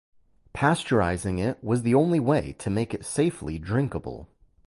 Pasteurizing it was the only way to make it safely drinkable.